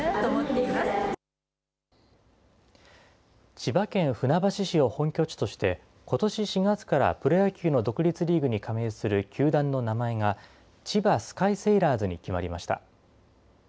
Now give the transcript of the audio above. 千葉県船橋市を本拠地として、ことし４月からプロ野球の独立リーグに加盟する球団の名前が、千葉スカイセイラーズに決まりました。